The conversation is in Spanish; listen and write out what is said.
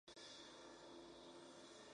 Volvió en el Villa Park, donde fue ovacionado.